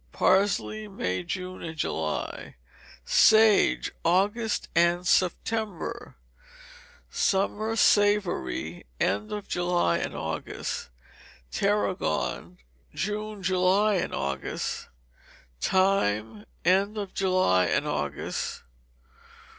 Parsley, May, June, and July. Sage, August and September. Summer Savoury, end of July and August. Tarragon, June, July, and August. Thyme, end of July and August.